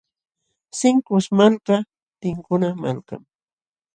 Sinkus malka tinkuna malkam.